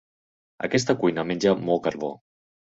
Aquesta cuina menja molt carbó.